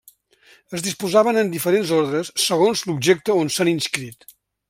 Es disposaven en diferents ordres segons l'objecte on s'han inscrit.